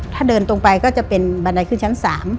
ถ้าเดินตรงไปก็จะเป็นบันไดขึ้นชั้น๓